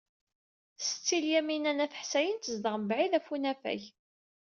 Setti Lyamina n At Ḥsayen tezdeɣ mebɛid ɣef unafag.